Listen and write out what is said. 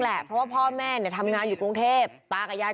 แหละเพราะว่าพ่อแม่เนี่ยทำงานอยู่กรุงเทพตากับยาย